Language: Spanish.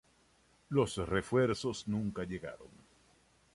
Los refuerzos nunca llegaron.